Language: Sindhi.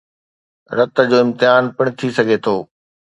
رت جو امتحان پڻ ٿي سگھي ٿو